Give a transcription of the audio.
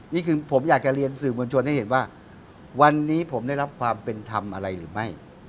นี่คือผมอยากจะเรียนสื่อมวลชนให้เห็นว่าวันนี้ผมได้รับความเป็นธรรมอะไรหรือไม่